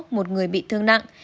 một người bị thương nặng